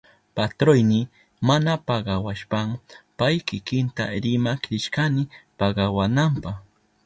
Patroyni mana pagawashpan pay kikinta rimak rishkani pagawananpa.